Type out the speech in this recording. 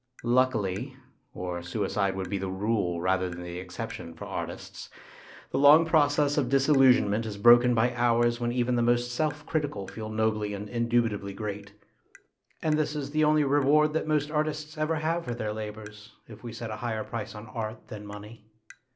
Luckily or suicide would be the rule rather than the exception for artists the long process of disillusionment is broken by hours when even the most self critical feel nobly and indubitably great ; and this is the only reward that most artists ever have for their labours, if we set a higher price on art than money.